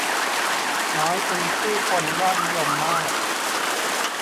น้อยเป็นชื่อคนยอดนิยมมาก